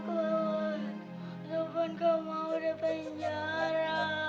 topan gak mau di penjara